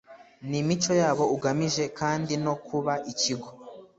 n imico yabo ugamije kandi no kuba ikigo